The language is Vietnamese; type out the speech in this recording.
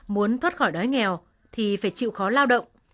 muốn thoát khỏi đói nghèo thì phải chịu khó lao động